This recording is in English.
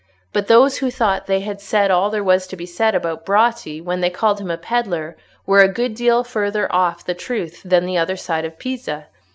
But those who thought they had said all there was to be said about Bratti when they had called him a pedlar, were a good deal further off the truth than the other side of Pisa.